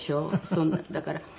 そんなだから。